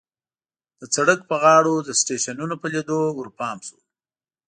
د سړک په غاړو د سټېشنونو په لیدو ورپام شو.